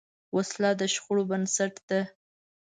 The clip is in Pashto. وسله د شخړو بنسټ ده